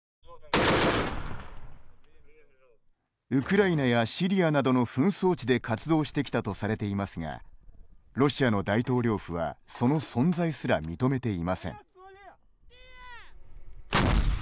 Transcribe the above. ウクライナやシリアなどの紛争地で活動してきたとされていますがロシアの大統領府はその存在すら認めていません。